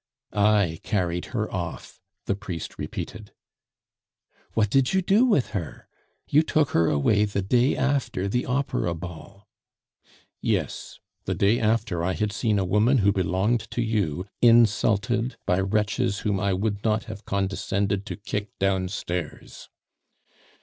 "I carried her off," the priest repeated. "What did you do with her? You took her away the day after the opera ball." "Yes, the day after I had seen a woman who belonged to you insulted by wretches whom I would not have condescended to kick downstairs."